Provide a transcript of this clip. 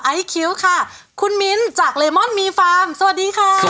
ไอซ์คิวบ์ค่ะคุณมิ้นจากเรมอนมีฟาร์มสวัสดีค่ะสวัสดีค่ะ